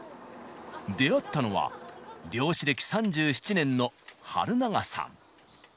出会ったのは、漁師歴３７年の春永さん。